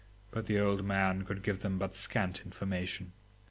But the old man could give them but scant information.